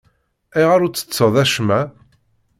Ayɣer ur ttetteḍ acemma?